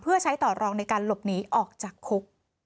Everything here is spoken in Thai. เพื่อใช้ต่อรองในการหลบหนีออกจากคุก